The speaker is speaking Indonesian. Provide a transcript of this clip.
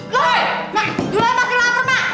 loh mak juleha masih lapar mak